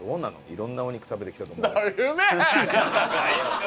いろんなお肉食べてきた。